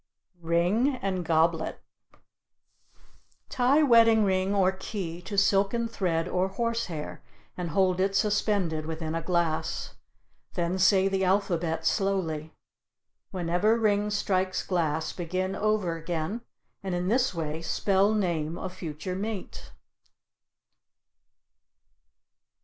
RING AND GOBLET Tie wedding ring or key to silken thread or horsehair, and hold it suspended within a glass; then say the alphabet slowly; whenever ring strikes glass, begin over again and in this way spell name of future mate.